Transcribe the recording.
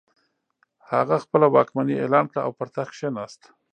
هغه خپله واکمني اعلان کړه او پر تخت کښېناست.